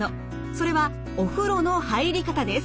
それはお風呂の入り方です。